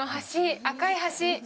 赤い橋？